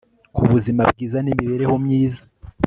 ku buzima bwiza n'imibereho myiza